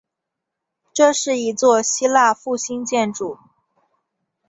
这是一座希腊复兴建筑。